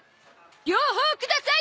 両方ください！